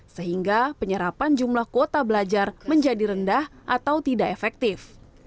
sehingga penyerapan jumlah kuota belajar menjadi rendah atau tidak efektif